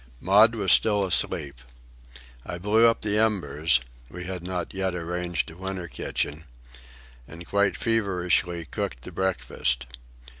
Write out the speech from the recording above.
Maud was still asleep. I blew up the embers (we had not yet arranged a winter kitchen), and quite feverishly cooked the breakfast.